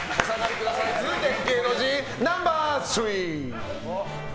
続いて、芸能人ナンバー３。